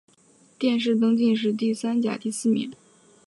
殿试登进士第三甲第四名。